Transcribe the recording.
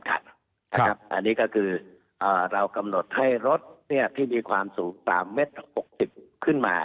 อันนี้ก็คือเรากำหนดให้รถที่มีความสูง๓เมตร๖๐ขึ้นมา